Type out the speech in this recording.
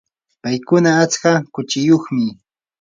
paykuna atska kuchiyuqmi.